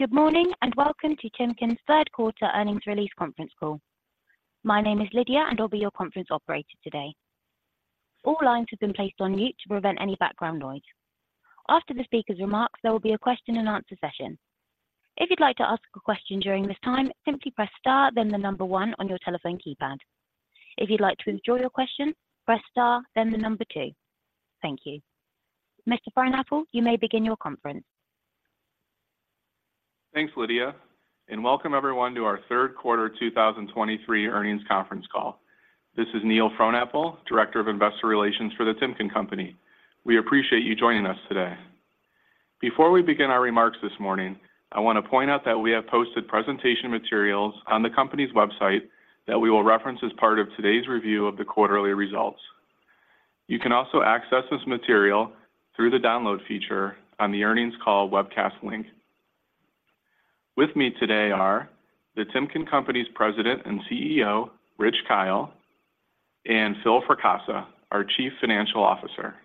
Good morning, and welcome to Timken's Q3 earnings release conference call. My name is Lydia, and I'll be your conference operator today. All lines have been placed on mute to prevent any background noise. After the speaker's remarks, there will be a question-and-answer session. If you'd like to ask a question during this time, simply press star, then the number 1 on your telephone keypad. If you'd like to withdraw your question, press star, then the number 2. Thank you. Mr. Frohnapple, you may begin your conference. Thanks, Lydia, and welcome everyone to our Q3 2023 earnings conference call. This is Neil Frohnapple, Director of Investor Relations for The Timken Company. We appreciate you joining us today. Before we begin our remarks this morning, I want to point out that we have posted presentation materials on the company's website that we will reference as part of today's review of the quarterly results. You can also access this material through the download feature on the earnings call webcast link. With me today are The Timken Company's President and CEO, Rich Kyle, and Phil Fracassa, our Chief Financial Officer.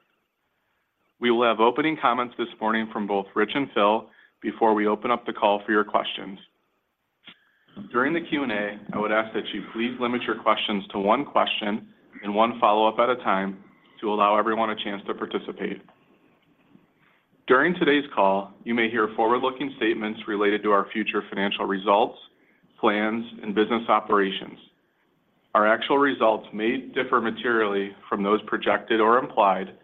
We will have opening comments this morning from both Rich and Phil before we open up the call for your questions. During the Q&A, I would ask that you please limit your questions to one question and one follow-up at a time to allow everyone a chance to participate. During today's call, you may hear forward-looking statements related to our future financial results, plans, and business operations. Our actual results may differ materially from those projected or implied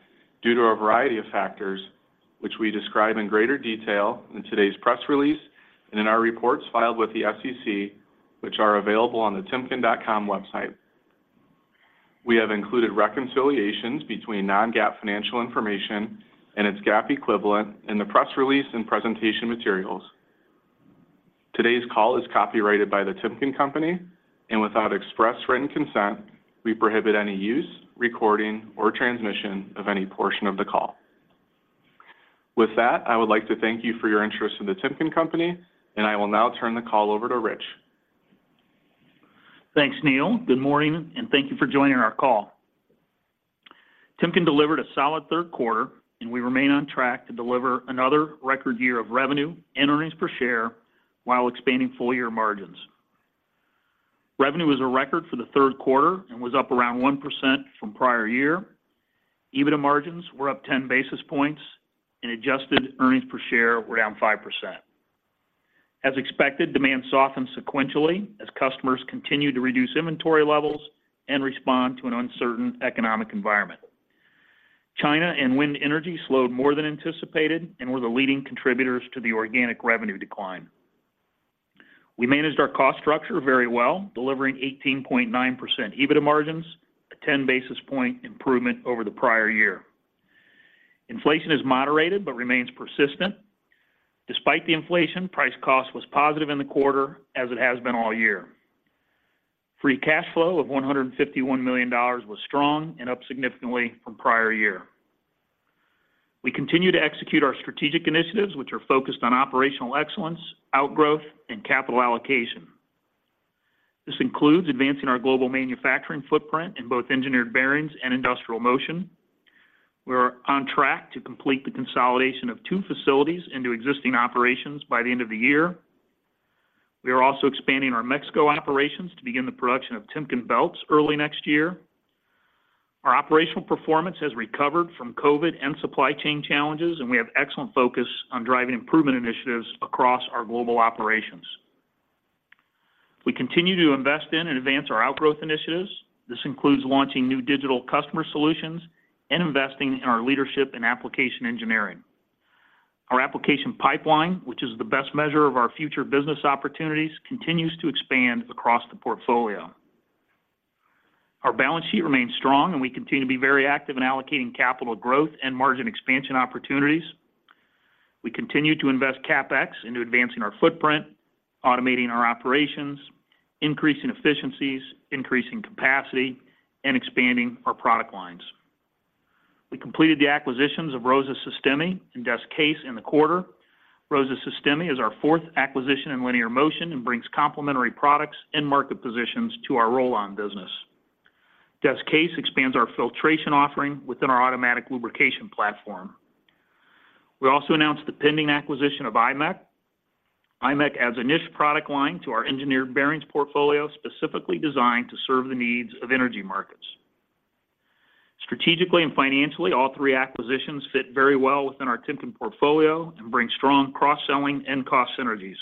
due to a variety of factors, which we describe in greater detail in today's press release and in our reports filed with the SEC, which are available on the timken.com website. We have included reconciliations between non-GAAP financial information and its GAAP equivalent in the press release and presentation materials. Today's call is copyrighted by The Timken Company, and without express written consent, we prohibit any use, recording, or transmission of any portion of the call. With that, I would like to thank you for your interest in The Timken Company, and I will now turn the call over to Rich. Thanks, Neil. Good morning, and thank you for joining our call. Timken delivered a solid Q3, and we remain on track to deliver another record year of revenue and earnings per share while expanding full-year margins. Revenue was a record for the Q3 and was up around 1% from prior year. EBITDA margins were up 10 basis points, and adjusted earnings per share were down 5%. As expected, demand softened sequentially as customers continued to reduce inventory levels and respond to an uncertain economic environment. China and wind energy slowed more than anticipated and were the leading contributors to the organic revenue decline. We managed our cost structure very well, delivering 18.9% EBITDA margins, a 10 basis point improvement over the prior year. Inflation has moderated but remains persistent. Despite the inflation, Price Cost was positive in the quarter, as it has been all year. Free Cash Flow of $151 million was strong and up significantly from prior year. We continue to execute our strategic initiatives, which are focused on operational excellence, outgrowth, and capital allocation. This includes advancing our global manufacturing footprint in both Engineered Bearings and Industrial Motion. We are on track to complete the consolidation of two facilities into existing operations by the end of the year. We are also expanding our Mexico operations to begin the production of Timken Belts early next year. Our operational performance has recovered from COVID and supply chain challenges, and we have excellent focus on driving improvement initiatives across our global operations. We continue to invest in and advance our outgrowth initiatives. This includes launching new digital customer solutions and investing in our leadership in application engineering. Our application pipeline, which is the best measure of our future business opportunities, continues to expand across the portfolio. Our balance sheet remains strong, and we continue to be very active in allocating capital growth and margin expansion opportunities. We continue to invest CapEx into advancing our footprint, automating our operations, increasing efficiencies, increasing capacity, and expanding our product lines. We completed the acquisitions of Rosa Sistemi and Des-Case in the quarter. Rosa Sistemi is our fourth acquisition in linear motion and brings complementary products and market positions to our Rollon business. Des-Case expands our filtration offering within our automatic lubrication platform. We also announced the pending acquisition of iMECH. iMECH adds a niche product line to our engineered bearings portfolio, specifically designed to serve the needs of energy markets. Strategically and financially, all three acquisitions fit very well within our Timken portfolio and bring strong cross-selling and cost synergies.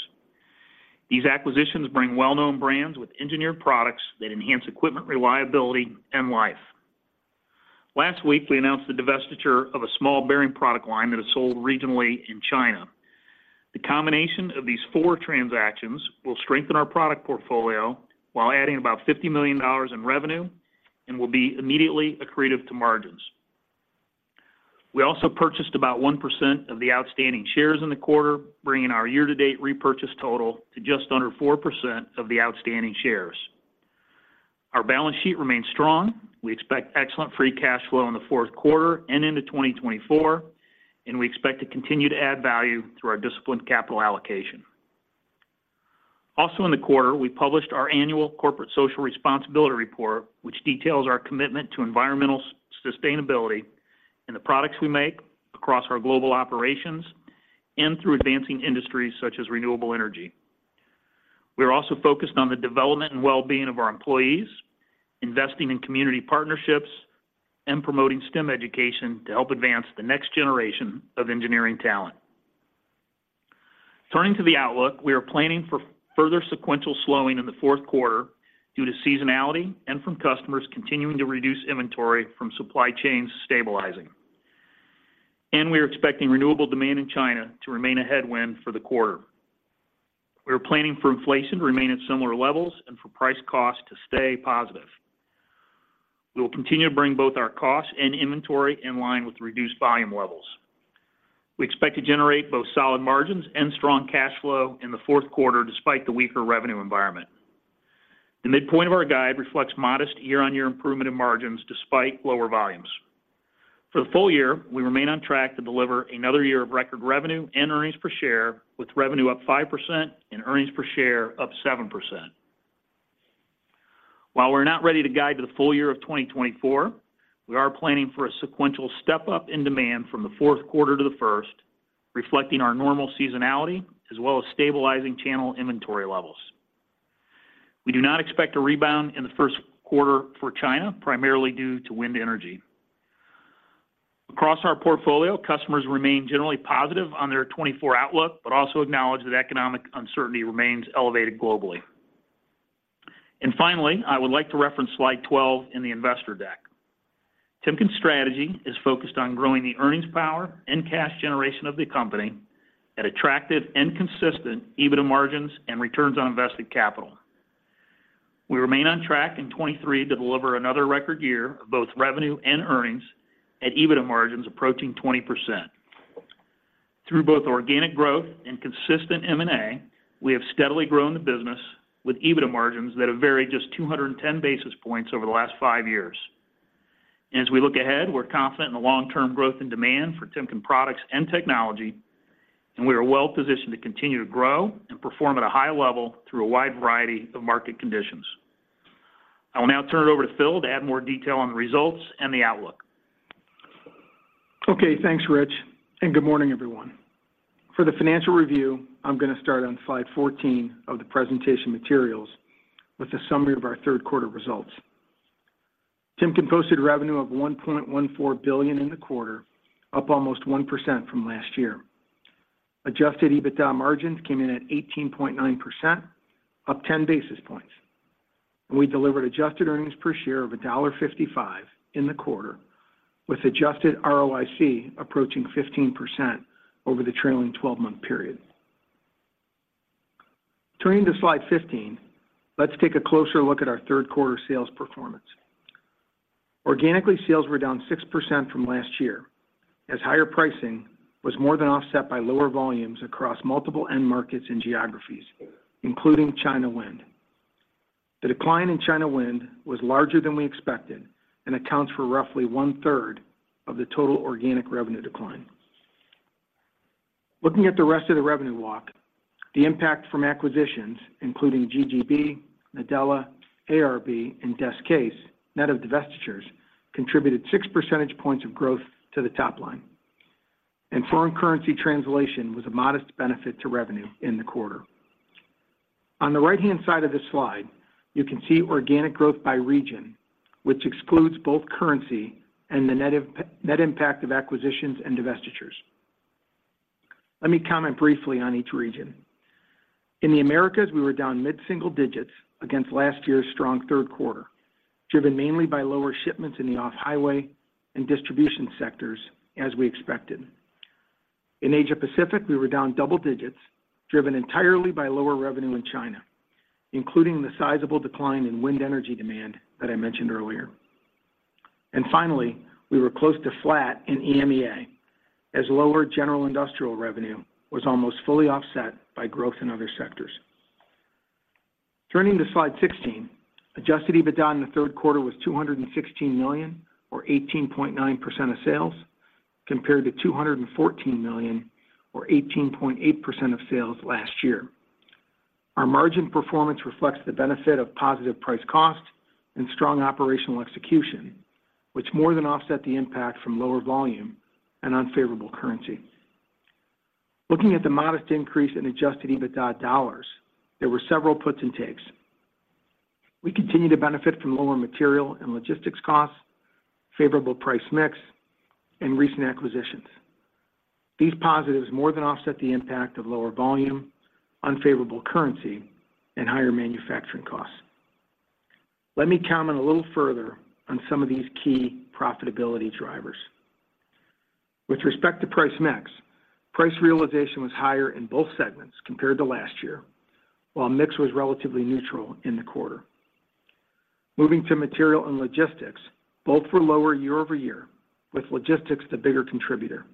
These acquisitions bring well-known brands with engineered products that enhance equipment reliability and life. Last week, we announced the divestiture of a small bearing product line that is sold regionally in China. The combination of these four transactions will strengthen our product portfolio while adding about $50 million in revenue and will be immediately accretive to margins. We also purchased about 1% of the outstanding shares in the quarter, bringing our year-to-date repurchase total to just under 4% of the outstanding shares. Our balance sheet remains strong. We expect excellent free cash flow in the Q4 and into 2024, and we expect to continue to add value through our disciplined capital allocation.... Also in the quarter, we published our annual corporate social responsibility report, which details our commitment to environmental sustainability in the products we make across our global operations and through advancing industries such as renewable energy. We are also focused on the development and well-being of our employees, investing in community partnerships, and promoting STEM education to help advance the next generation of engineering talent. Turning to the outlook, we are planning for further sequential slowing in the Q4 due to seasonality and from customers continuing to reduce inventory from supply chains stabilizing. We are expecting renewable demand in China to remain a headwind for the quarter. We are planning for inflation to remain at similar levels and for Price/Cost to stay positive. We will continue to bring both our costs and inventory in line with reduced volume levels. We expect to generate both solid margins and strong cash flow in the Q4, despite the weaker revenue environment. The midpoint of our guide reflects modest year-on-year improvement in margins despite lower volumes. For the full year, we remain on track to deliver another year of record revenue and earnings per share, with revenue up 5% and earnings per share up 7%. While we're not ready to guide to the full year of 2024, we are planning for a sequential step-up in demand from the Q4 to the first, reflecting our normal seasonality, as well as stabilizing channel inventory levels. We do not expect a rebound in the Q1 for China, primarily due to wind energy. Across our portfolio, customers remain generally positive on their 2024 outlook, but also acknowledge that economic uncertainty remains elevated globally. Finally, I would like to reference slide 12 in the investor deck. Timken's strategy is focused on growing the earnings power and cash generation of the company at attractive and consistent EBITDA margins and returns on invested capital. We remain on track in 2023 to deliver another record year of both revenue and earnings at EBITDA margins approaching 20%. Through both organic growth and consistent M&A, we have steadily grown the business with EBITDA margins that have varied just 210 basis points over the last five years. And as we look ahead, we're confident in the long-term growth and demand for Timken products and technology, and we are well positioned to continue to grow and perform at a high level through a wide variety of market conditions. I will now turn it over to Phil to add more detail on the results and the outlook. Okay, thanks, Rich, and good morning, everyone. For the financial review, I'm going to start on slide 14 of the presentation materials with a summary of our Q3 results. Timken posted revenue of $1.14 billion in the quarter, up almost 1% from last year. Adjusted EBITDA margins came in at 18.9%, up 10 basis points, and we delivered adjusted earnings per share of $1.55 in the quarter, with adjusted ROIC approaching 15% over the trailing twelve-month period. Turning to slide 15, let's take a closer look at our Q3 sales performance. Organically, sales were down 6% from last year, as higher pricing was more than offset by lower volumes across multiple end markets and geographies, including China wind. The decline in China wind was larger than we expected and accounts for roughly one-third of the total organic revenue decline. Looking at the rest of the revenue walk, the impact from acquisitions, including GGB, Nadella, ARB, and Des-Case, net of divestitures, contributed 6 percentage points of growth to the top line. Foreign currency translation was a modest benefit to revenue in the quarter. On the right-hand side of this slide, you can see organic growth by region, which excludes both currency and the net impact of acquisitions and divestitures. Let me comment briefly on each region. In the Americas, we were down mid-single digits against last year's strong Q3, driven mainly by lower shipments in the off-highway and distribution sectors, as we expected. In Asia Pacific, we were down double digits, driven entirely by lower revenue in China, including the sizable decline in wind energy demand that I mentioned earlier. Finally, we were close to flat in EMEA, as lower general industrial revenue was almost fully offset by growth in other sectors. Turning to slide 16, Adjusted EBITDA in the Q3 was $216 million or 18.9% of sales, compared to $214 million or 18.8% of sales last year. Our margin performance reflects the benefit of positive price cost and strong operational execution, which more than offset the impact from lower volume and unfavorable currency. Looking at the modest increase in Adjusted EBITDA dollars, there were several puts and takes. We continued to benefit from lower material and logistics costs, favorable price mix, and recent acquisitions. These positives more than offset the impact of lower volume, unfavorable currency, and higher manufacturing costs. Let me comment a little further on some of these key profitability drivers. With respect to price mix, price realization was higher in both segments compared to last year, while mix was relatively neutral in the quarter. Moving to material and logistics, both were lower year-over-year, with logistics the bigger contributor.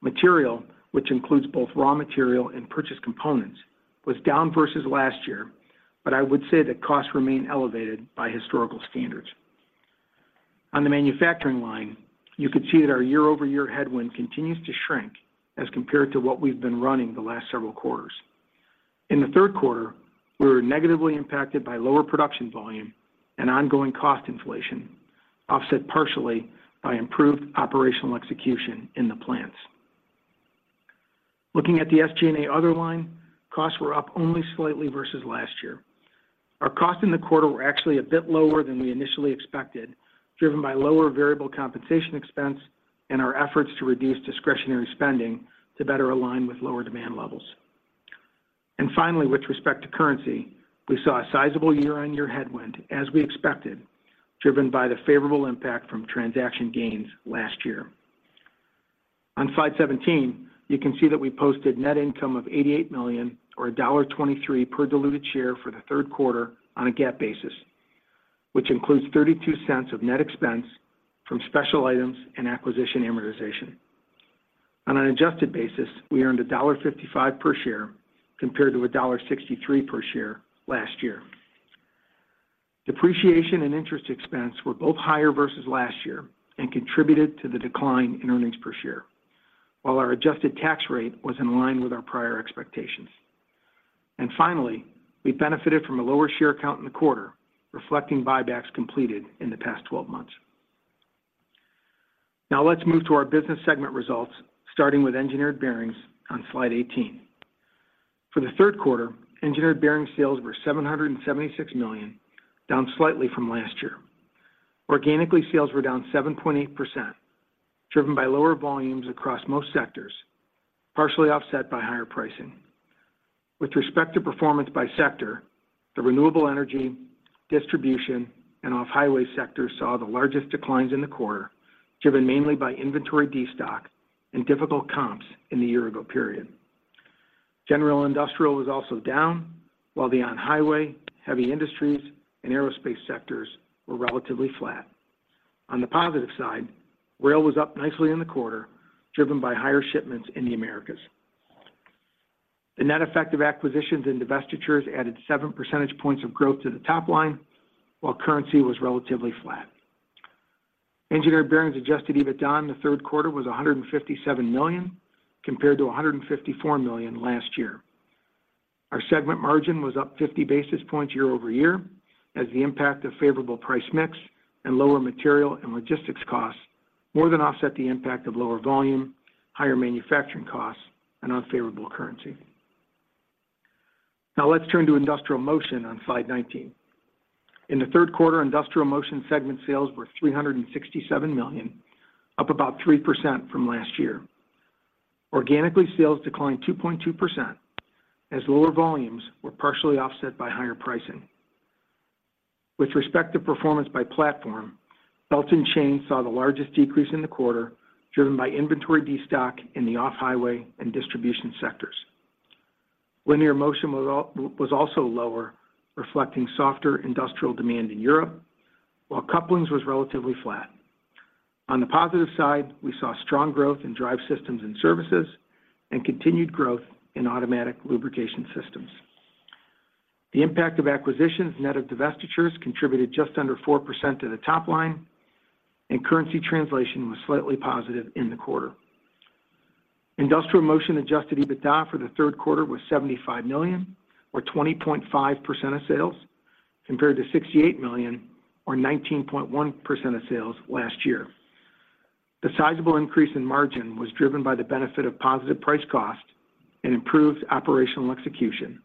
Material, which includes both raw material and purchase components, was down versus last year, but I would say that costs remain elevated by historical standards. On the manufacturing line, you can see that our year-over-year headwind continues to shrink as compared to what we've been running the last several quarters. In the Q3, we were negatively impacted by lower production volume and ongoing cost inflation, offset partially by improved operational execution in the plants. Looking at the SG&A other line, costs were up only slightly versus last year. Our costs in the quarter were actually a bit lower than we initially expected, driven by lower variable compensation expense and our efforts to reduce discretionary spending to better align with lower demand levels. Finally, with respect to currency, we saw a sizable year-on-year headwind, as we expected, driven by the favorable impact from transaction gains last year. On slide 17, you can see that we posted net income of $88 million or $1.23 per diluted share for the Q3 on a GAAP basis, which includes $0.32 of net expense from special items and acquisition amortization. On an adjusted basis, we earned $1.55 per share compared to $1.63 per share last year. Depreciation and interest expense were both higher versus last year and contributed to the decline in earnings per share, while our adjusted tax rate was in line with our prior expectations. Finally, we benefited from a lower share count in the quarter, reflecting buybacks completed in the past 12 months. Now let's move to our business segment results, starting with Engineered Bearings on Slide 18. For the Q3, Engineered Bearings sales were $776 million, down slightly from last year. Organically, sales were down 7.8%, driven by lower volumes across most sectors, partially offset by higher pricing. With respect to performance by sector, the renewable energy, distribution, and off-highway sectors saw the largest declines in the quarter, driven mainly by inventory destock and difficult comps in the year ago period. General Industrial was also down, while the on-highway, heavy industries, and aerospace sectors were relatively flat. On the positive side, rail was up nicely in the quarter, driven by higher shipments in the Americas. The net effect of acquisitions and divestitures added 7 percentage points of growth to the top line, while currency was relatively flat. Engineered Bearings adjusted EBITDA in the Q3 was $157 million, compared to $154 million last year. Our segment margin was up 50 basis points year-over-year, as the impact of favorable price mix and lower material and logistics costs more than offset the impact of lower volume, higher manufacturing costs, and unfavorable currency. Now let's turn to Industrial Motion on Slide 19. In the Q3, Industrial Motion segment sales were $367 million, up about 3% from last year. Organically, sales declined 2.2%, as lower volumes were partially offset by higher pricing. With respect to performance by platform, Belts and Chains saw the largest decrease in the quarter, driven by inventory destock in the off-highway and distribution sectors. Linear motion was also lower, reflecting softer industrial demand in Europe, while couplings was relatively flat. On the positive side, we saw strong growth in drive systems and services, and continued growth in automatic lubrication systems. The impact of acquisitions, net of divestitures, contributed just under 4% to the top line, and currency translation was slightly positive in the quarter. Industrial Motion Adjusted EBITDA for the Q3 was $75 million, or 20.5% of sales, compared to $68 million or 19.1% of sales last year. The sizable increase in margin was driven by the benefit of positive price cost and improved operational execution,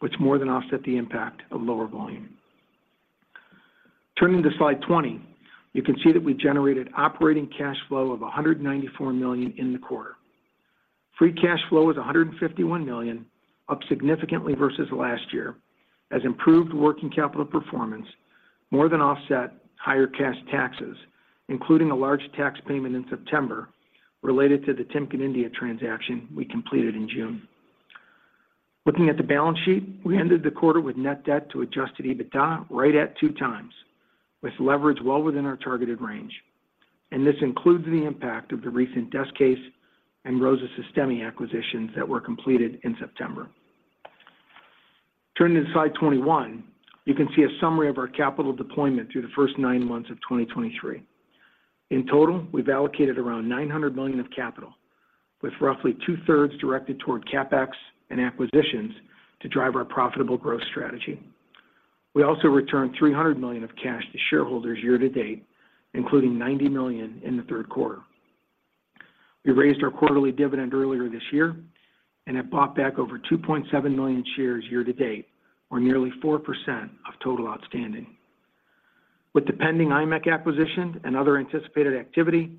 which more than offset the impact of lower volume. Turning to Slide 20, you can see that we generated operating cash flow of $194 million in the quarter. Free cash flow is $151 million, up significantly versus last year, as improved working capital performance more than offset higher cash taxes, including a large tax payment in September related to the Timken India transaction we completed in June. Looking at the balance sheet, we ended the quarter with net debt to Adjusted EBITDA right at 2 times, with leverage well within our targeted range. This includes the impact of the recent Des-Case and Rosa Sistemi acquisitions that were completed in September. Turning to Slide 21, you can see a summary of our capital deployment through the first 9 months of 2023. In total, we've allocated around $900 million of capital, with roughly two-thirds directed toward CapEx and acquisitions to drive our profitable growth strategy. We also returned $300 million of cash to shareholders year to date, including $90 million in the Q3. We raised our quarterly dividend earlier this year and have bought back over 2.7 million shares year to date, or nearly 4% of total outstanding. With the pending iMECH acquisition and other anticipated activity,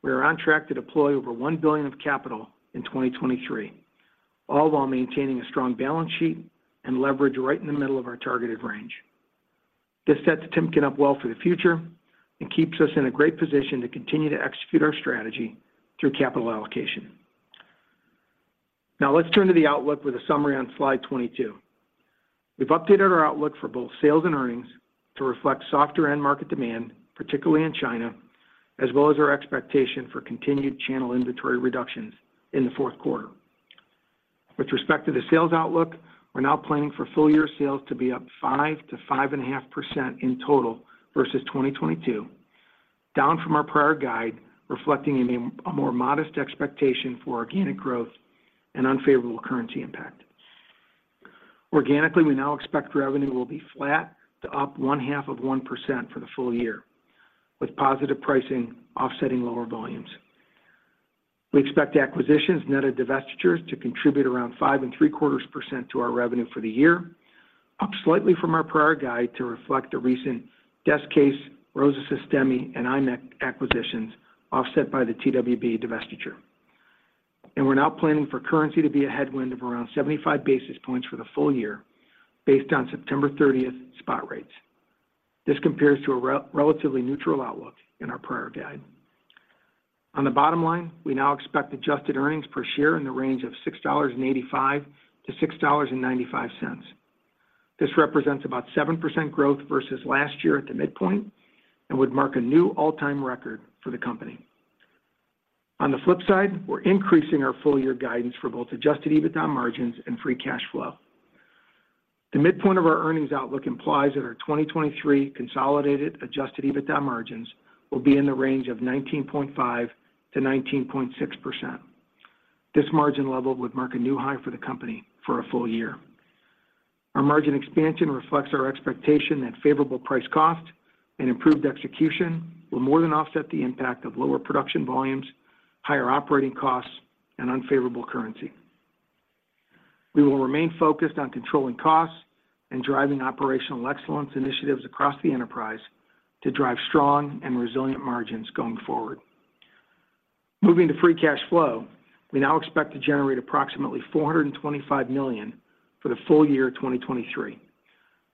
we are on track to deploy over $1 billion of capital in 2023, all while maintaining a strong balance sheet and leverage right in the middle of our targeted range. This sets Timken up well for the future and keeps us in a great position to continue to execute our strategy through capital allocation. Now let's turn to the outlook with a summary on Slide 22. We've updated our outlook for both sales and earnings to reflect softer end market demand, particularly in China, as well as our expectation for continued channel inventory reductions in the Q4.... With respect to the sales outlook, we're now planning for full year sales to be up 5%-5.5% in total versus 2022, down from our prior guide, reflecting a more modest expectation for organic growth and unfavorable currency impact. Organically, we now expect revenue will be flat to +0.5% for the full year, with positive pricing offsetting lower volumes. We expect acquisitions net of divestitures to contribute around 5.75% to our revenue for the year, up slightly from our prior guide to reflect the recent Des-Case, Rosa Sistemi, and iMECH acquisitions, offset by the TWB divestiture. We're now planning for currency to be a headwind of around 75 basis points for the full year, based on September thirtieth spot rates. This compares to a relatively neutral outlook in our prior guide. On the bottom line, we now expect adjusted earnings per share in the range of $6.85-$6.95. This represents about 7% growth versus last year at the midpoint and would mark a new all-time record for the company. On the flip side, we're increasing our full year guidance for both adjusted EBITDA margins and free cash flow. The midpoint of our earnings outlook implies that our 2023 consolidated Adjusted EBITDA margins will be in the range of 19.5%-19.6%. This margin level would mark a new high for the company for a full year. Our margin expansion reflects our expectation that favorable price cost and improved execution will more than offset the impact of lower production volumes, higher operating costs, and unfavorable currency. We will remain focused on controlling costs and driving operational excellence initiatives across the enterprise to drive strong and resilient margins going forward. Moving to Free Cash Flow, we now expect to generate approximately $425 million for the full year of 2023,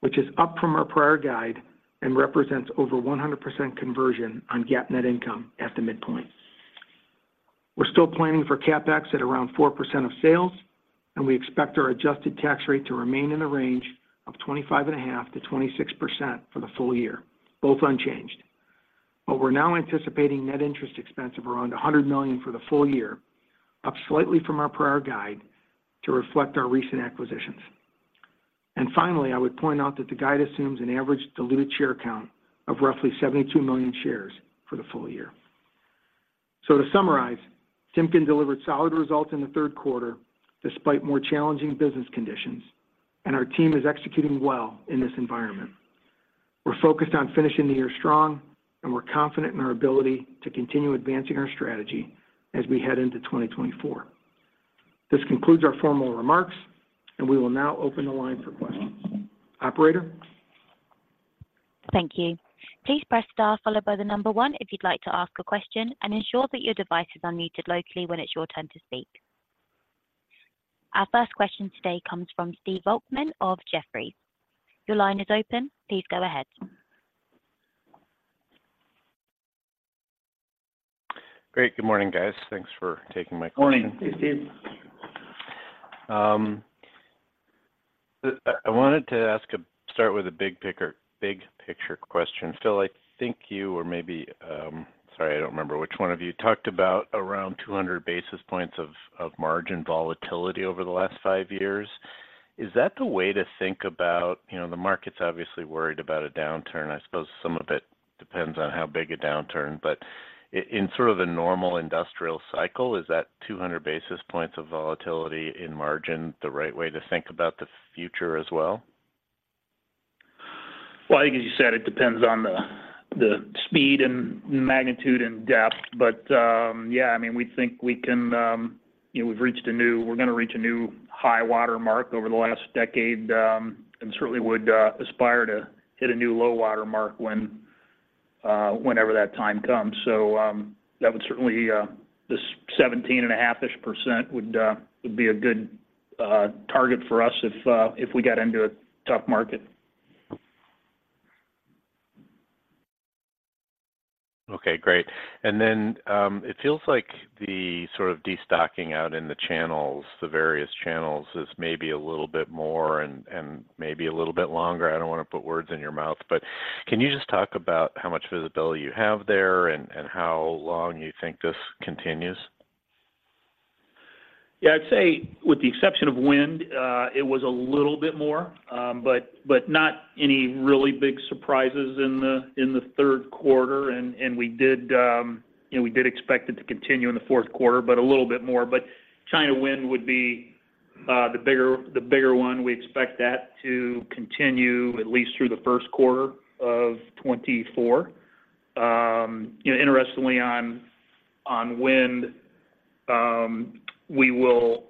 which is up from our prior guide and represents over 100% conversion on GAAP net income at the midpoint. We're still planning for CapEx at around 4% of sales, and we expect our adjusted tax rate to remain in the range of 25.5%-26% for the full year, both unchanged. But we're now anticipating net interest expense of around $100 million for the full year, up slightly from our prior guide to reflect our recent acquisitions. And finally, I would point out that the guide assumes an average diluted share count of roughly 72 million shares for the full year. So to summarize, Timken delivered solid results in the Q3, despite more challenging business conditions, and our team is executing well in this environment. We're focused on finishing the year strong, and we're confident in our ability to continue advancing our strategy as we head into 2024. This concludes our formal remarks, and we will now open the line for questions. Operator? Thank you. Please press star followed by the number one if you'd like to ask a question, and ensure that your device is unmuted locally when it's your turn to speak. Our first question today comes from Steve Volkmann of Jefferies. Your line is open. Please go ahead. Great. Good morning, guys. Thanks for taking my question. Morning, Steve. I wanted to ask a—start with a big picture question. Phil, I think you or maybe, sorry, I don't remember which one of you talked about around 200 basis points of margin volatility over the last five years. Is that the way to think about, you know, the market's obviously worried about a downturn. I suppose some of it depends on how big a downturn, but in sort of a normal industrial cycle, is that 200 basis points of volatility in margin, the right way to think about the future as well? Well, I think as you said, it depends on the speed and magnitude and depth, but, yeah, I mean, we think we can, you know, we've reached a new-- we're going to reach a new high water mark over the last decade, and certainly would aspire to hit a new low water mark when, whenever that time comes. So, that would certainly, this 17.5%-ish would be a good target for us if we got into a tough market. Okay, great. And then, it feels like the sort of destocking out in the channels, the various channels, is maybe a little bit more and, and maybe a little bit longer. I don't want to put words in your mouth, but can you just talk about how much visibility you have there and, and how long you think this continues? Yeah, I'd say with the exception of wind, it was a little bit more, but not any really big surprises in the Q3. And we did, you know, we did expect it to continue in the Q4, but a little bit more. But China wind would be the bigger one. We expect that to continue at least through the Q1 of 2024. You know, interestingly, on wind, we'll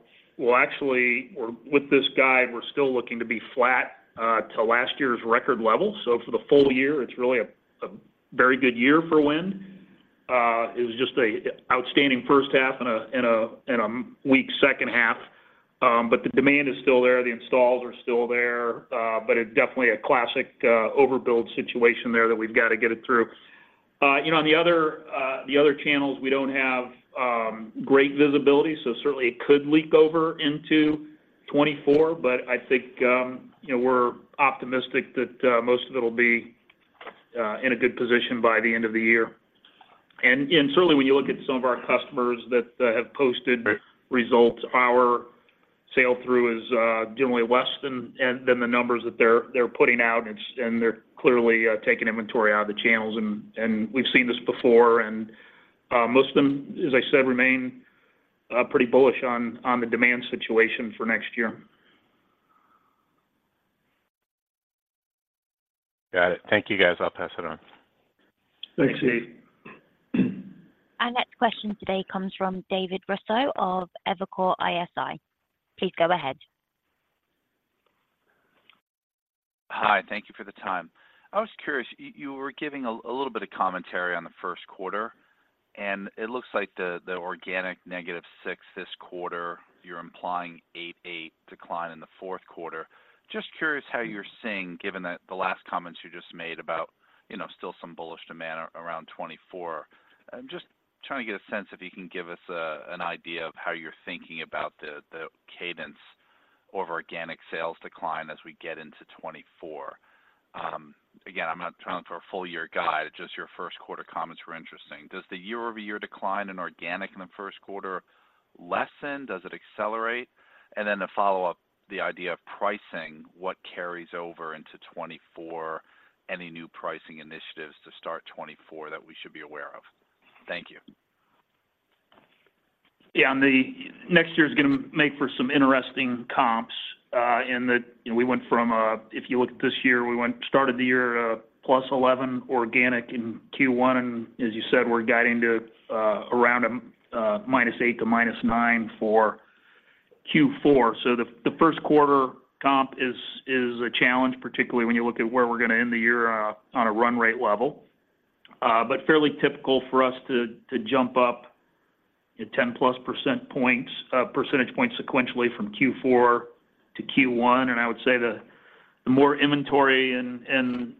actually, or with this guide, we're still looking to be flat to last year's record level. So for the full year, it's really a very good year for wind. It was just a outstanding H1 and a weak H2, but the demand is still there, the installs are still there, but it's definitely a classic overbuild situation there that we've got to get it through. You know, on the other, the other channels, we don't have great visibility, so certainly it could leak over into 2024, but I think, you know, we're optimistic that most of it will be in a good position by the end of the year.... And certainly when you look at some of our customers that have posted results, our sell-through is generally less than the numbers that they're putting out. It's, and they're clearly taking inventory out of the channels, and we've seen this before, and most of them, as I said, remain pretty bullish on the demand situation for next year. Got it. Thank you, guys. I'll pass it on. Thanks, Nate. Our next question today comes from David Raso of Evercore ISI. Please go ahead. Hi, thank you for the time. I was curious, you were giving a little bit of commentary on the Q1, and it looks like the organic -6 this quarter, you're implying 8 decline in the Q4. Just curious how you're seeing, given that the last comments you just made about, you know, still some bullish demand around 2024. I'm just trying to get a sense if you can give us an idea of how you're thinking about the cadence of organic sales decline as we get into 2024. Again, I'm not trying for a full year guide, just your Q1 comments were interesting. Does the year-over-year decline in organic in the Q1 lessen? Does it accelerate? And then to follow up, the idea of pricing, what carries over into 2024, any new pricing initiatives to start 2024 that we should be aware of? Thank you. Yeah, and the next year is gonna make for some interesting comps, in that, you know, we went from, if you look at this year, we went-- started the year, +11 organic in Q1, and as you said, we're guiding to, around, -8 to -9 for Q4. So the Q1 comp is a challenge, particularly when you look at where we're gonna end the year, on a run rate level. But fairly typical for us to jump up at 10+ percentage points sequentially from Q4 to Q1. I would say the more inventory and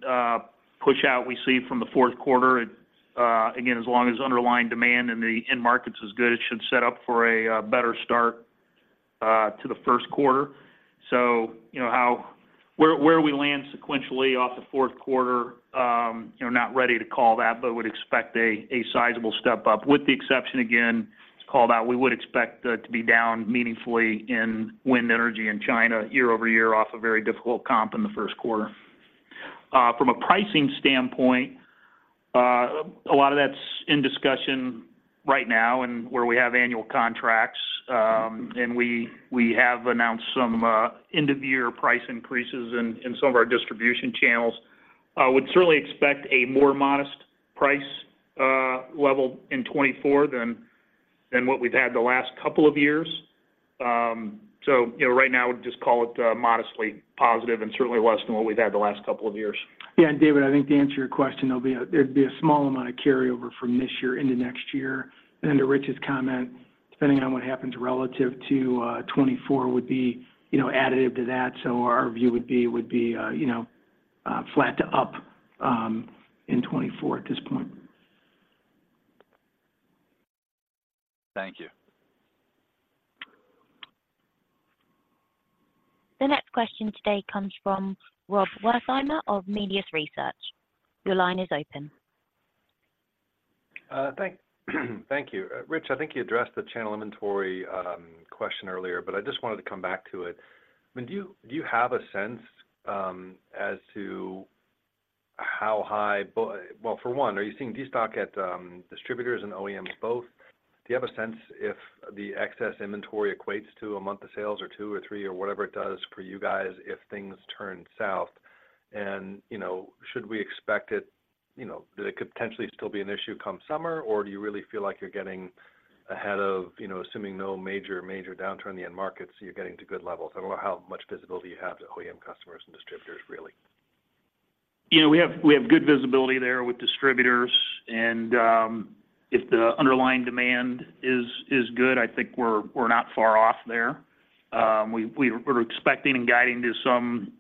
push-out we see from the Q4, again, as long as underlying demand in the end markets is good, it should set up for a better start to the Q1. So you know, how, where we land sequentially off the Q4, we're not ready to call that, but would expect a sizable step up. With the exception, again, it's called out, we would expect to be down meaningfully in wind energy in China year-over-year off a very difficult comp in the Q1. From a pricing standpoint, a lot of that's in discussion right now and where we have annual contracts, and we have announced some end-of-year price increases in some of our distribution channels. Would certainly expect a more modest price level in 2024 than what we've had the last couple of years. So you know, right now, we just call it modestly positive, and certainly less than what we've had the last couple of years. Yeah, and David, I think to answer your question, there'd be a small amount of carryover from this year into next year. And then to Rich's comment, depending on what happens relative to 2024, would be, you know, additive to that. So our view would be flat to up in 2024 at this point. Thank you. The next question today comes from Rob Wertheimer of Melius Research. Your line is open. Thank you. Rich, I think you addressed the channel inventory question earlier, but I just wanted to come back to it. I mean, do you have a sense as to. Well, for one, are you seeing destock at distributors and OEMs both? Do you have a sense if the excess inventory equates to a month of sales or two or three, or whatever it does for you guys, if things turn south? And, you know, should we expect it... You know, do they could potentially still be an issue come summer, or do you really feel like you're getting ahead of, you know, assuming no major downturn in the end markets, you're getting to good levels? I don't know how much visibility you have to OEM customers and distributors, really. You know, we have good visibility there with distributors, and if the underlying demand is good, I think we're not far off there. We're expecting and guiding to some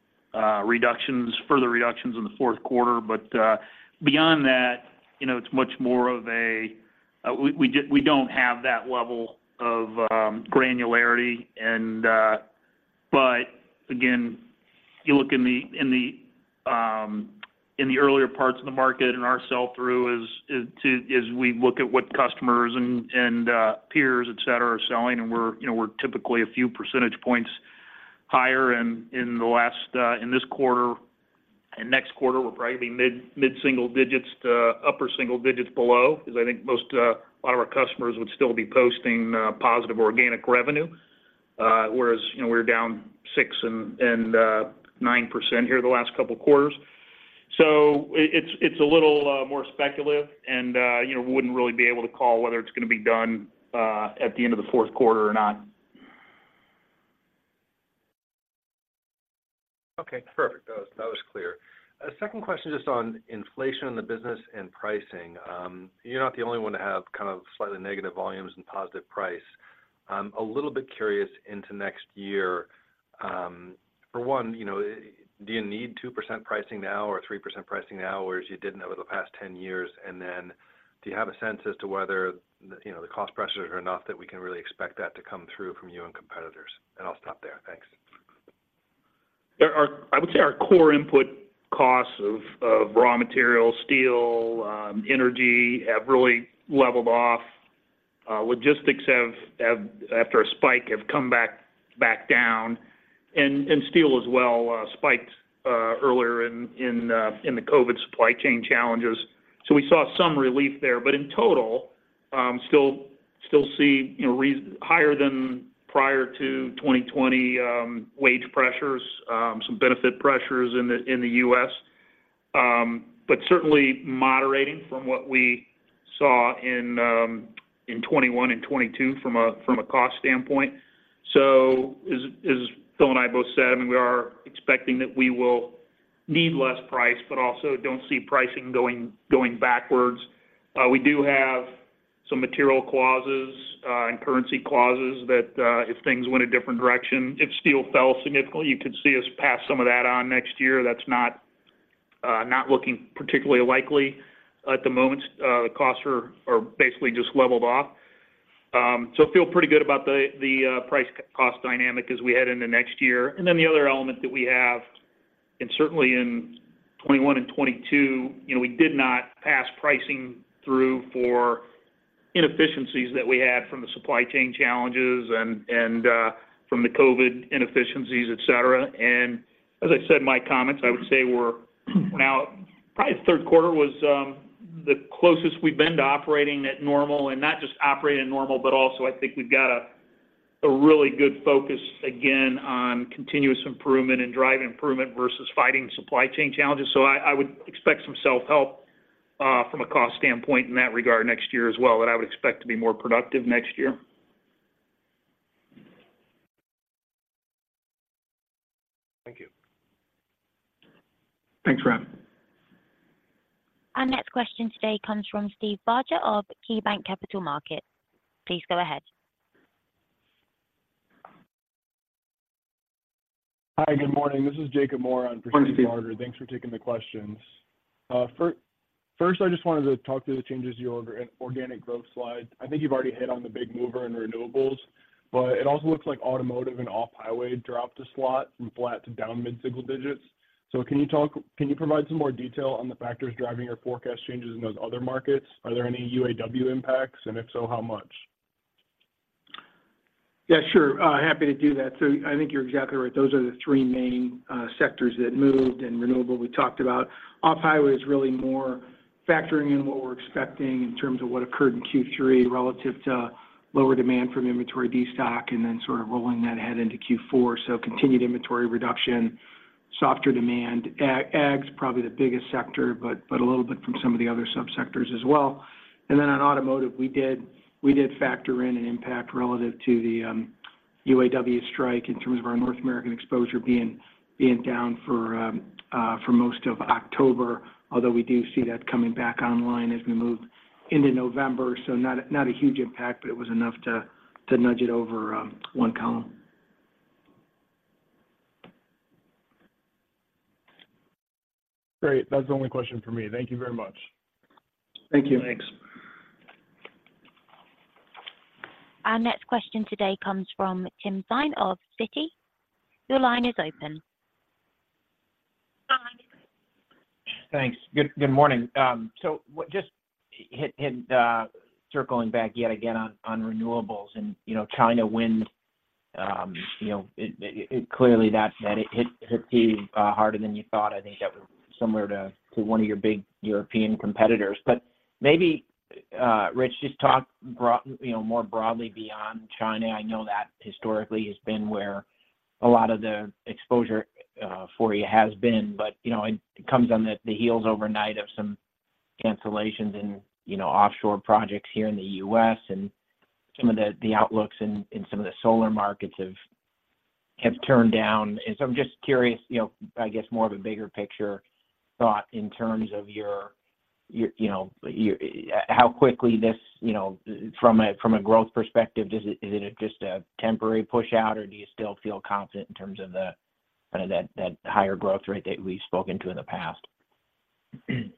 reductions, further reductions in the Q4. But beyond that, you know, it's much more of a, we don't have that level of granularity. But again, you look in the earlier parts of the market, and our sell-through is too, as we look at what customers and peers, et cetera, are selling, and you know, we're typically a few percentage points higher. And in this quarter and next quarter, we're probably mid-single digits to upper single digits below, because I think most a lot of our customers would still be posting positive organic revenue, whereas, you know, we're down 6 and 9% here the last couple of quarters. So it's a little more speculative and, you know, we wouldn't really be able to call whether it's gonna be done at the end of the Q4 or not. Okay, perfect. That was, that was clear. Second question, just on inflation in the business and pricing. You're not the only one to have kind of slightly negative volumes and positive price. A little bit curious into next year, for one, you know, do you need 2% pricing now or 3% pricing now, whereas you didn't over the past 10 years? And then do you have a sense as to whether, you know, the cost pressures are enough that we can really expect that to come through from you and competitors? And I'll stop there. Thanks. There are, I would say, our core input costs of raw materials, steel, energy have really leveled off. Logistics have, after a spike, come back down, and steel as well spiked earlier in the COVID supply chain challenges. So we saw some relief there, but in total, still see, you know, higher than prior to 2020, wage pressures, some benefit pressures in the U.S. But certainly moderating from what we saw in 2021 and 2022 from a cost standpoint. So as Phil and I both said, I mean, we are expecting that we will need less price, but also don't see pricing going backwards. We do have some material clauses and currency clauses that, if things went a different direction, if steel fell significantly, you could see us pass some of that on next year. That's not not looking particularly likely at the moment. The costs are basically just leveled off. So feel pretty good about the price cost dynamic as we head into next year. And then the other element that we have, and certainly in 2021 and 2022, you know, we did not pass pricing through for inefficiencies that we had from the supply chain challenges and from the COVID inefficiencies, et cetera. And as I said in my comments, I would say we're now probably Q3 was the closest we've been to operating at normal, and not just operating normal, but also I think we've got a really good focus again on continuous improvement and drive improvement versus fighting supply chain challenges. So I would expect some self-help from a cost standpoint in that regard next year as well, that I would expect to be more productive next year. Thank you. Thanks, Rob. Our next question today comes from Steve Barger of KeyBanc Capital Markets. Please go ahead. Hi, good morning. This is Jacob Moore. Morning, Steve. For Steve Barger. Thanks for taking the questions. First, I just wanted to talk through the changes to your organic growth slide. I think you've already hit on the big mover in renewables, but it also looks like automotive and off-highway dropped a slot from flat to down mid-single digits. So can you provide some more detail on the factors driving your forecast changes in those other markets? Are there any UAW impacts, and if so, how much? Yeah, sure. Happy to do that. So I think you're exactly right. Those are the three main sectors that moved, and renewable, we talked about. Off-highway is really more factoring in what we're expecting in terms of what occurred in Q3 relative to lower demand from inventory destock, and then sort of rolling that ahead into Q4. So continued inventory reduction, softer demand. Ag, ag is probably the biggest sector, but, but a little bit from some of the other subsectors as well. And then on automotive, we did, we did factor in an impact relative to the UAW strike in terms of our North American exposure being, being down for most of October, although we do see that coming back online as we move into November. So not a huge impact, but it was enough to nudge it over one column. Great. That's the only question for me. Thank you very much. Thank you. Thanks. Our next question today comes from Tim Thein of Citi. Your line is open. Thanks. Good morning. So, circling back yet again on renewables and, you know, China wind, you know, it clearly hit you harder than you thought. I think that was similar to one of your big European competitors. But maybe, Rich, just talk broad, you know, more broadly beyond China. I know that historically has been where a lot of the exposure for you has been, but, you know, it comes on the heels overnight of some cancellations and, you know, offshore projects here in the U.S., and some of the outlooks in some of the solar markets have turned down. I'm just curious, you know, I guess more of a bigger picture thought in terms of your, you know, how quickly this, you know, from a growth perspective, does it, is it just a temporary pushout, or do you still feel confident in terms of the, kind of that higher growth rate that we've spoken to in the past?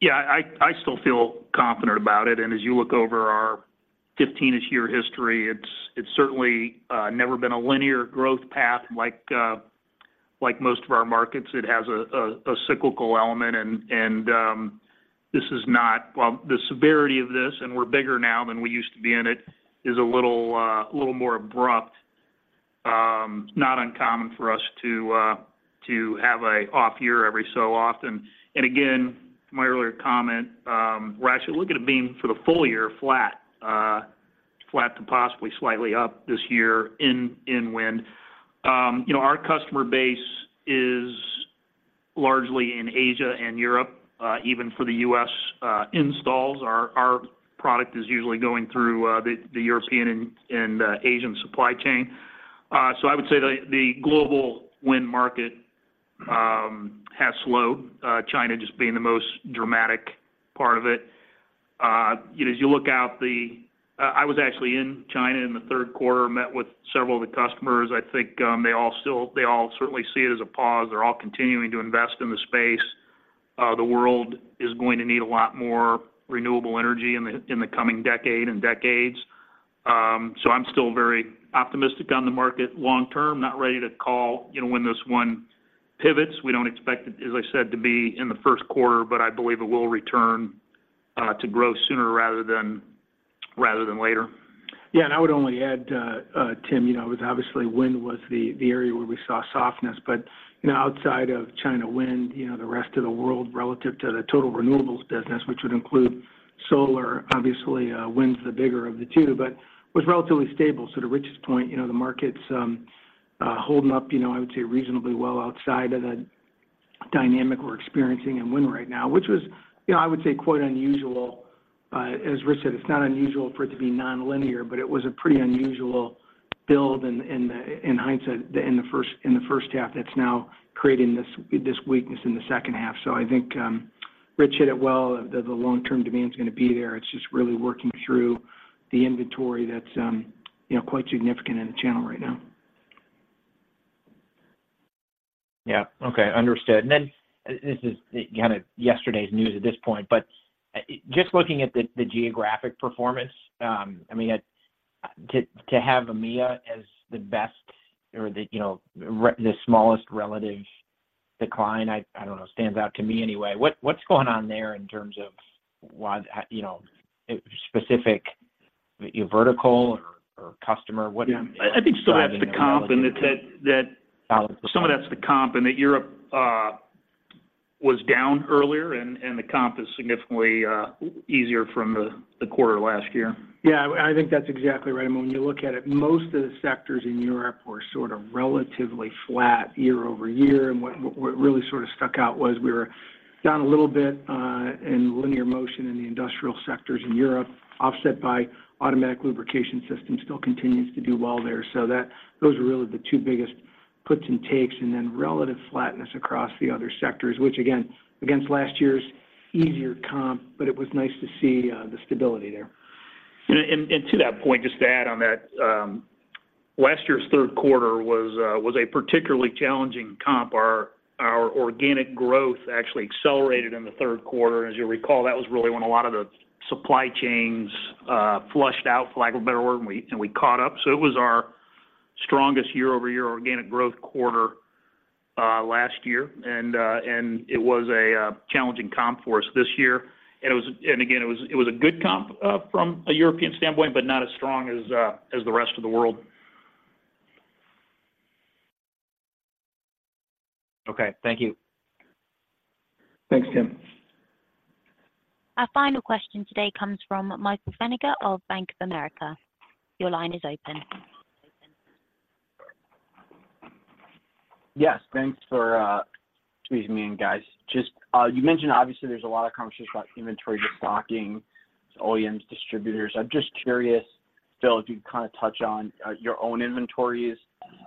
Yeah, I still feel confident about it. And as you look over our 15-ish year history, it's certainly never been a linear growth path like most of our markets. It has a cyclical element, and this is not—well, the severity of this, and we're bigger now than we used to be in it, is a little more abrupt. Not uncommon for us to have an off year every so often. And again, my earlier comment, we're actually looking at being, for the full year, flat to possibly slightly up this year in wind. You know, our customer base is largely in Asia and Europe, even for the U.S. installs. Our product is usually going through the European and Asian supply chain. So I would say the global wind market has slowed, China just being the most dramatic part of it. You know, as you look out the, I was actually in China in the Q3, met with several of the customers. I think they all still, they all certainly see it as a pause. They're all continuing to invest in the space... the world is going to need a lot more renewable energy in the coming decade and decades. So I'm still very optimistic on the market long term. Not ready to call, you know, when this one pivots. We don't expect it, as I said, to be in the Q1, but I believe it will return to growth sooner rather than later. Yeah, and I would only add, Tim, you know, obviously, wind was the area where we saw softness. But, you know, outside of China wind, you know, the rest of the world relative to the total renewables business, which would include solar. Obviously, wind's the bigger of the two, but was relatively stable. So to Rich's point, you know, the market's holding up, you know, I would say reasonably well outside of the dynamic we're experiencing in wind right now, which was, you know, I would say quite unusual. As Rich said, it's not unusual for it to be nonlinear, but it was a pretty unusual build in hindsight, in the H1 that's now creating this weakness in the H2. I think Rich hit it well, that the long-term demand is gonna be there. It's just really working through the inventory that's, you know, quite significant in the channel right now. Yeah. Okay. Understood. And then this is, kind of, yesterday's news at this point, but just looking at the geographic performance, I mean, to have EMEA as the best or the, you know, the smallest relative decline, I don't know, stands out to me anyway. What’s going on there in terms of why, you know, specific vertical or customer? What- I think still that's the comp and that. Got it. Some of that's the comp, and that Europe was down earlier and, and the comp is significantly easier from the quarter last year. Yeah, I think that's exactly right. I mean, when you look at it, most of the sectors in Europe were sort of relatively flat year-over-year. And what really sort of stuck out was we were down a little bit in Linear Motion in the industrial sectors in Europe, offset by Automatic Lubrication Systems still continues to do well there. So that those are really the two biggest puts and takes, and then relative flatness across the other sectors, which again, against last year's easier comp, but it was nice to see the stability there. To that point, just to add on that, last year's Q3 was a particularly challenging comp. Our organic growth actually accelerated in the Q3. As you'll recall, that was really when a lot of the supply chains flushed out, for lack of a better word, and we caught up. So it was our strongest year-over-year organic growth quarter last year. And it was a challenging comp for us this year. And again, it was a good comp from a European standpoint, but not as strong as the rest of the world. Okay, thank you. Thanks, Tim. Our final question today comes from Michael Feniger of Bank of America. Your line is open. Yes, thanks for squeezing me in, guys. Just, you mentioned obviously, there's a lot of conversation about inventory restocking, OEMs, distributors. I'm just curious, Phil, if you kind of touch on your own inventories,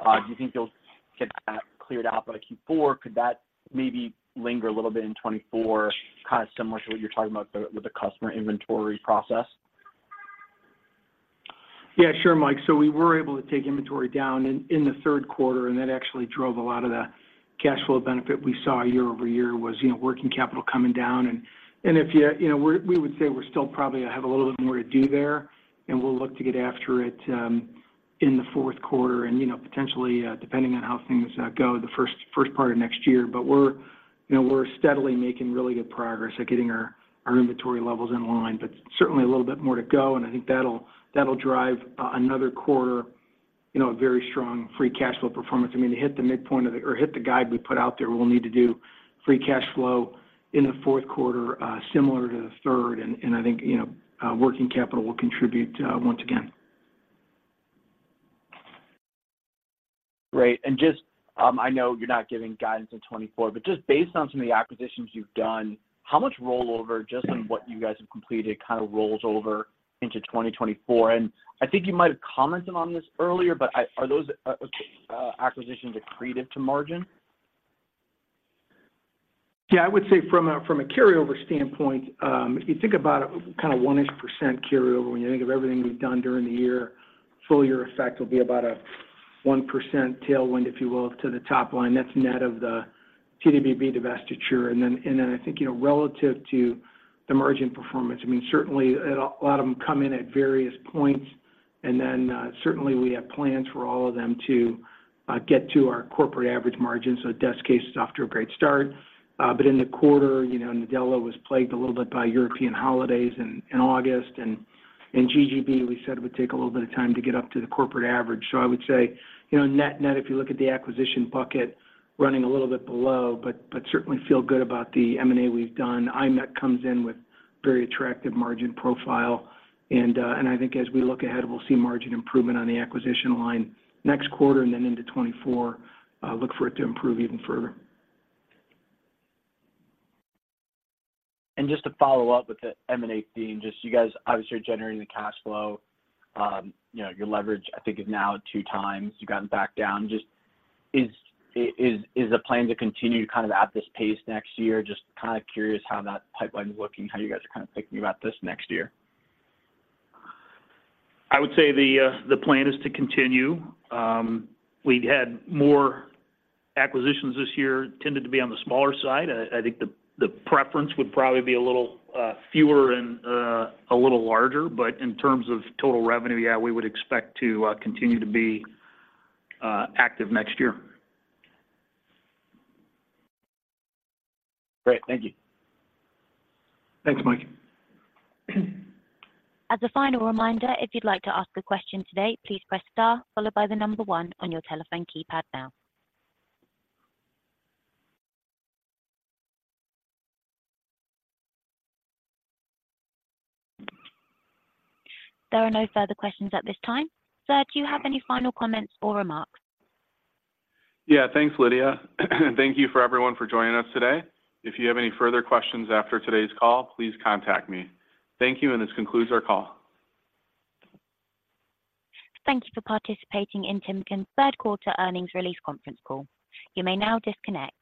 do you think you'll get that cleared out by Q4? Could that maybe linger a little bit in 2024, kind of, similar to what you're talking about with the customer inventory process? Yeah, sure, Mike. So we were able to take inventory down in the Q3, and that actually drove a lot of the cash flow benefit we saw year-over-year, was, you know, working capital coming down. And if you know, we would say we still probably have a little bit more to do there, and we'll look to get after it in the Q4 and, you know, potentially depending on how things go the first part of next year. But we're, you know, we're steadily making really good progress at getting our inventory levels in line. But certainly, a little bit more to go, and I think that'll drive another quarter, you know, a very strong free cash flow performance. I mean, to hit the midpoint of the... or hit the guide we put out there, we'll need to do Free Cash Flow in the Q4, similar to the third, and, and I think, you know, working capital will contribute, once again. Great. And just, I know you're not giving guidance in 2024, but just based on some of the acquisitions you've done, how much rollover, just on what you guys have completed, kind of, rolls over into 2024? And I think you might have commented on this earlier, but are those acquisitions accretive to margin? Yeah, I would say from a, from a carryover standpoint, if you think about it, kind of, 1-ish% carryover, when you think of everything we've done during the year, full-year effect will be about a 1% tailwind, if you will, to the top line. That's net of the TWB divestiture. And then, and then I think, you know, relative to the margin performance, I mean, certainly, a lot of them come in at various points. And then, certainly, we have plans for all of them to get to our corporate average margin. So Des-Case is off to a great start. But in the quarter, you know, Nadella was plagued a little bit by European holidays in August. And GGB, we said, it would take a little bit of time to get up to the corporate average. So I would say, you know, net-net, if you look at the acquisition bucket, running a little bit below, but, but certainly feel good about the M&A we've done. iMECH comes in with very attractive margin profile. And, and I think as we look ahead, we'll see margin improvement on the acquisition line next quarter, and then into 2024, look for it to improve even further. Just to follow up with the M&A theme, just you guys obviously are generating the cash flow. You know, your leverage, I think, is now two times you've gotten back down. Just, is the plan to continue kind of at this pace next year? Just, kind of curious how that pipeline is looking, how you guys are kind of thinking about this next year. I would say the plan is to continue. We've had more acquisitions this year, tended to be on the smaller side. I think the preference would probably be a little fewer and a little larger. But in terms of total revenue, yeah, we would expect to continue to be active next year. Great. Thank you. Thanks, Mike. As a final reminder, if you'd like to ask a question today, please press Star followed by the number 1 on your telephone keypad now. There are no further questions at this time. Sir, do you have any final comments or remarks? Yeah, thanks, Lydia. Thank you for everyone for joining us today. If you have any further questions after today's call, please contact me. Thank you, and this concludes our call. Thank you for participating in Timken's Q3 earnings release conference call. You may now disconnect.